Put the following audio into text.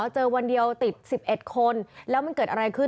วันเดียวติด๑๑คนแล้วมันเกิดอะไรขึ้น